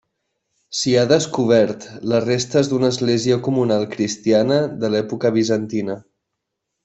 S'hi ha descobert les restes d'una església comunal cristiana de l'època bizantina.